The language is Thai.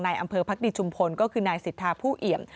อำเภอพักดีชุมพลก็คือนายสิทธาผู้เอี่ยม